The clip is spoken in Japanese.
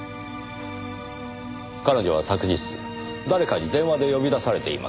彼女は昨日誰かに電話で呼び出されています。